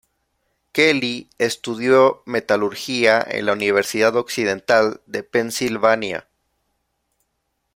Kelly estudió metalurgia en la Universidad Occidental de Pensilvania.